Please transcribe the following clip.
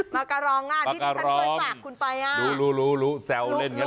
มะกะลองอ่ะที่ฉันเคยฝากคุณไปอ่ะมะกะลองรู้รู้รู้แซวเล่นกันแหละ